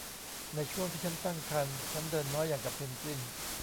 ในช่วงที่ฉันตั้งครรภ์ ฉันเดินน้อยอย่างกับเพนกวิน